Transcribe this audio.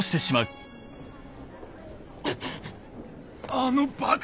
あのバカ！